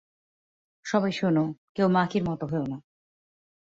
সবাই শোনো, কেউ মাকির মতো হয়ো না।